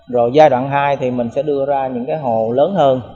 rồi giai đoạn hai thì mình sẽ đưa ra những cái hồ lớn hơn